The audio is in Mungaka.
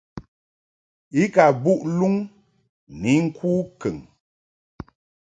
I ka mbuʼ luŋ ni ŋku kəŋ.